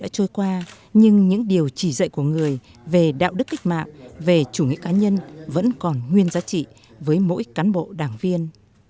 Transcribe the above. chủ nghĩa cá nhân vẫn còn nguyên giá trị với mỗi cán bộ đảng viên